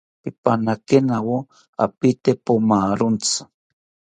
Pipanakenawo apiite pomarontzi